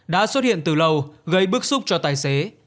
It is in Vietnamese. đã xuất hiện từ lâu gây bức xúc cho tài xế